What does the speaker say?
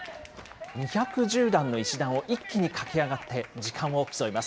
２１０段の石段を一気に駆け上がって、時間を競います。